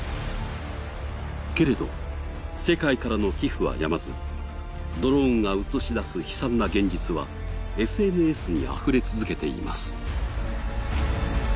けれど、世界からの寄付はやまず、ドローンが映し出す悲惨な現実はＳＮＳにあふれ続けています。